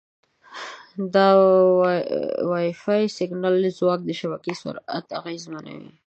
د وائی فای سیګنال ځواک د شبکې سرعت اغېزمنوي.